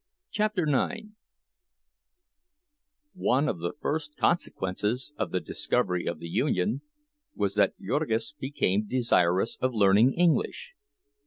CHAPTER IX One of the first consequences of the discovery of the union was that Jurgis became desirous of learning English.